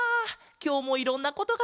きょうもいろんなことがしれた。